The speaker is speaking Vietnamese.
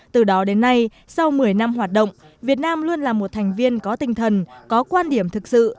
từ đó đến nay sau một mươi năm hoạt động việt nam luôn là một thành viên có tinh thần có quan điểm thực sự